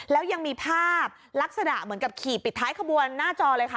แล้วยังมีภาพลักษณะเหมือนกับขี่ปิดท้ายขบวนหน้าจอเลยค่ะ